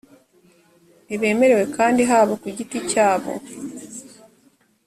ntibemerewe kandi haba ku giti cyabo